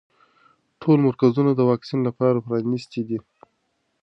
ټول مرکزونه د واکسین لپاره پرانیستي دي.